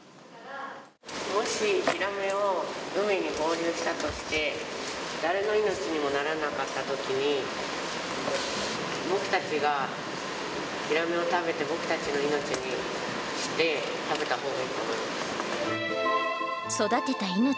もしヒラメを、海に放流したとして、誰の命にもならなかったときに、僕たちがヒラメを食べて、僕たちの命にして、食べたほうがいいと思います。